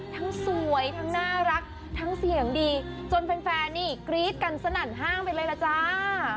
ทั้งสวยทั้งน่ารักทั้งเสียงดีจนแฟนนี่กรี๊ดกันสนั่นห้างไปเลยล่ะจ้า